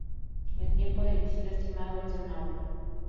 El tiempo de visita estimado es de una hora.